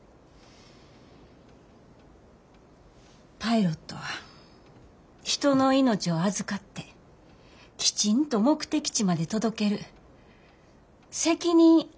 パイロットは人の命を預かってきちんと目的地まで届ける責任ある仕事や。